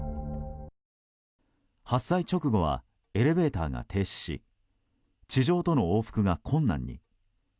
発災直後はエレベーターが停止し地上との往復が困難に。